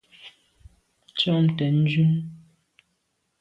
Tu am tshwèt ndume.